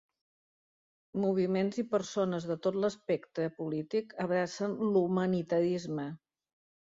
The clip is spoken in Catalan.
Moviments i persones de tot l'espectre polític abracen l'humanitarisme.